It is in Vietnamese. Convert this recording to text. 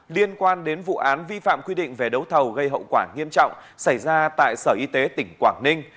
liên quan đến vụ án vi phạm quy định về đấu thầu gây hậu quả nghiêm trọng xảy ra tại sở y tế tỉnh quảng ninh